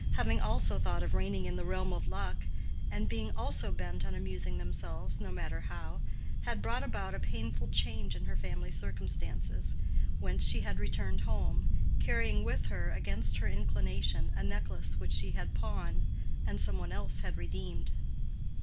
having also thought of reigning in the realm of luck, and being also bent on amusing themselves, no matter how, had brought about a painful change in her family circumstances; whence she had returned home—carrying with her, against her inclination, a necklace which she had pawned and some one else had redeemed.